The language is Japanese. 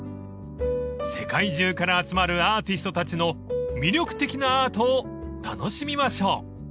［世界中から集まるアーティストたちの魅力的なアートを楽しみましょう］